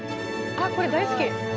あっこれ大好き。